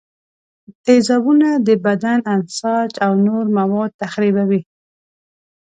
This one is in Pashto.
تیزابونه د بدن انساج او نور مواد تخریبوي.